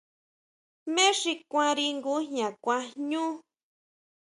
¿Jmé xi kuanri ngujña kuan jñú?